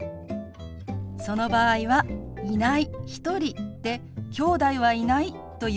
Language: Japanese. その場合は「いない」「一人」で「きょうだいはいない」という意味よ。